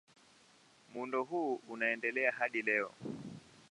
Muundo huu unaendelea hadi leo.